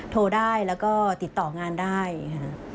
โทรได้แล้วก็ติดต่องานได้ค่ะ